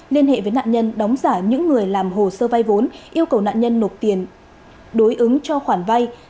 liên hệ với nạn nhân đóng giả những người làm hồ sơ vay vốn yêu cầu nạn nhân nộp tiền đối ứng cho khoản vay